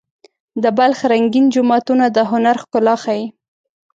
د بلخ رنګین جوماتونه د هنر ښکلا ښيي.